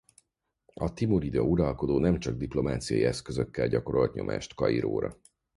A timurida uralkodó nem csak diplomáciai eszközökkel gyakorolt nyomást Kairóra.